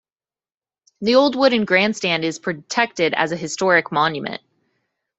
The old wooden grandstand is protected as a historic monument.